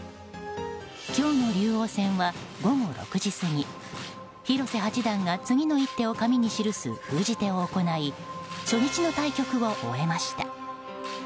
今日の竜王戦は午後６時過ぎ広瀬八段が次の一手を紙に記す封じ手を行い初日の対局を終えました。